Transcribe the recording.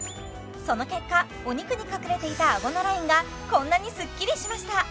その結果お肉に隠れていたあごのラインがこんなにスッキリしました！